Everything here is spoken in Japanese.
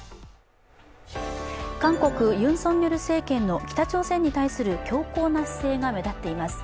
韓国、ユン・ソンニョル政権の北朝鮮に対する強硬な姿勢が目立っています。